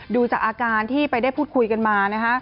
ดูจากอาการที่ไปได้พูดคุยกันมานะคะ